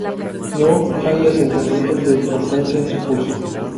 No hay asentamientos de importancia en su curso.